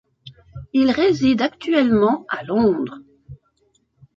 Il réside actuellement à Londres.